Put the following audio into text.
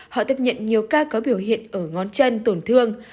họ tiếp nhận nhiều ca có biểu hiện ở ngón chân tổn thương